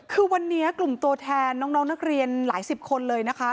คือวันนี้กลุ่มตัวแทนน้องนักเรียนหลายสิบคนเลยนะคะ